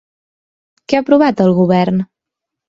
Què ha aprovat el govern?